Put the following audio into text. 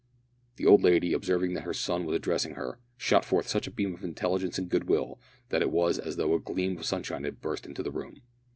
The old lady, observing that her son was addressing her, shot forth such a beam of intelligence and goodwill that it was as though a gleam of sunshine had burst into the room.